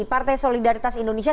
partai solidaritas indonesia